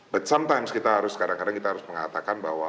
but sometimes kita harus kadang kadang kita harus mengatakan bahwa